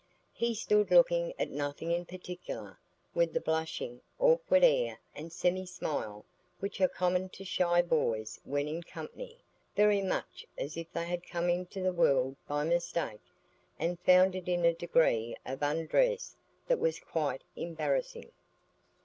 He stood looking at nothing in particular, with the blushing, awkward air and semi smile which are common to shy boys when in company,—very much as if they had come into the world by mistake, and found it in a degree of undress that was quite embarrassing.